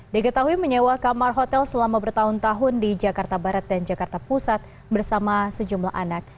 diketahui menyewa kamar hotel selama bertahun tahun di jakarta barat dan jakarta pusat bersama sejumlah anak